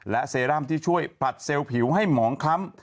และเซรั่มที่ช่วยผลัดเซลล์ผิวให้หมองคล้ำ